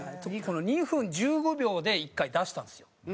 ２分１５秒で１回出したんですよ。